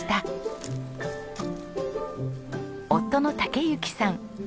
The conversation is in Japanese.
夫の武主さん。